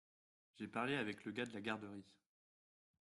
J’ai parlé avec le gars de la garderie.